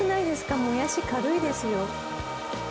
もやし軽いですよ。